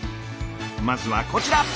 まずはこちら！